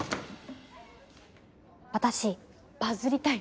私バズりたい。